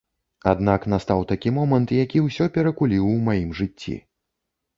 Аднак настаў такі момант, які ўсё перакуліў у маім жыцці.